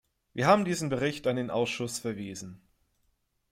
Wir haben diesen Bericht an den Ausschuss verwiesen.